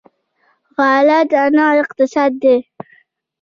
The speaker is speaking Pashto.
غله دانه اقتصاد دی.